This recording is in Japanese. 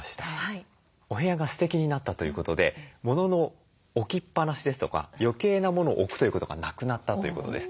お部屋がステキになったということでものの置きっぱなしですとか余計なものを置くということがなくなったということです。